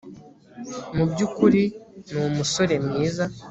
Mu byukuri ni umusore mwiza